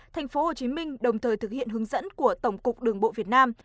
tp hcm đồng thời thực hiện hướng dẫn của tổng cục đường bộ việt nam